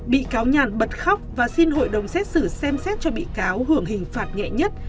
bị cáo nhàn bật khóc và xin hội đồng xét xử xem xét cho bị cáo hưởng hình phạt nhẹ nhất